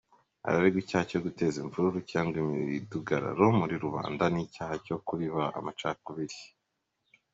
Araregwa icyaha cyo guteza imvururu cyangwa imidugararo muri rubanda n’icyaha cyo kubiba amacakubiri.